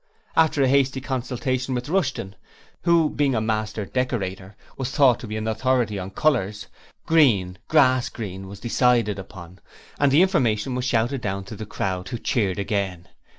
After a hasty consultation with Rushton, who being a 'master' decorator, was thought to be an authority on colours green grass green was decided upon, and the information was shouted down to the crowd, who cheered again.